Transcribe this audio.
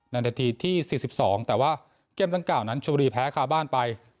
นัดที่ที่๔๒แต่ว่าเกมตั้งเก่านั้นชวบรีแพ้คาบ้านไป